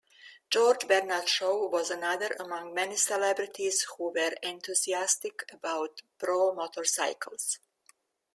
George Bernard Shaw was another among many celebrities who were enthusiastic about Brough motorcycles.